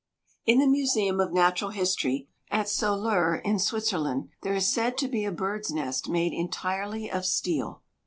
In the Museum of Natural History at Soleure, in Switzerland, there is said to be a bird's nest made entirely of steel.